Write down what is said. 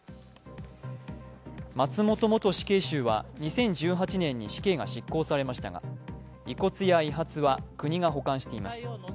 松本元死刑囚は２０１８年に死刑が執行されましたが遺骨や遺髪は国が保管しています。